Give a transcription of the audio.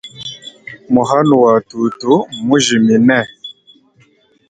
Muhanu wa tutu mnujimine.